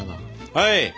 はい！